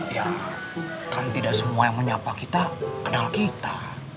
ya kan tidak semua yang menyapa kita kenal kita